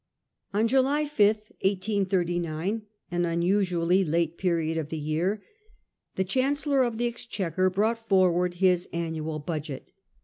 On July 5, 1839, an unusually late period of the year, the Chancellor of the Exchequer brought forward his annual budget.